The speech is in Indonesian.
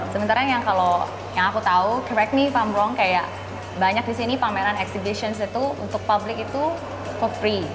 sementara yang kalo yang aku tau correct me if i'm wrong kayak banyak disini pameran exhibitions itu untuk publik itu for free